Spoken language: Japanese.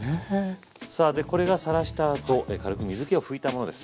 さあでこれがさらしたあと軽く水けを拭いたものです。